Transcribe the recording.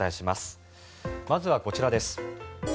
まずはこちらです。